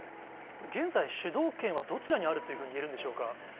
これ、現在、主導権はどちらにあるというふうに言えるんでしょうか。